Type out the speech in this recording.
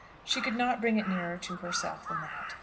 She could not bring it nearer to herself than that.